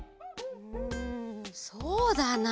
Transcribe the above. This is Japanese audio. うんそうだな。